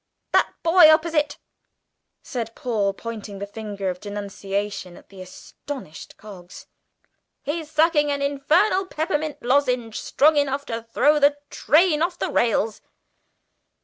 "That boy opposite," said Paul, pointing the finger of denunciation at the astonished Coggs; "he's sucking an infernal peppermint lozenge strong enough to throw the train off the rails!"